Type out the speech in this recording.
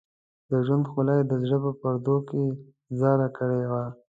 د ژوند ښکلا یې د زړه په پردو کې ځاله کړې وه.